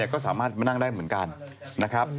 ก็สามารถมานั่งได้เหมือนกันนะครับ